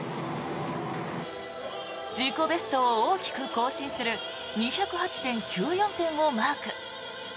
自己ベストを大きく更新する２０８．９４点をマーク。